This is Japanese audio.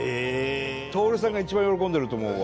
徹さんが一番喜んでると思うわ。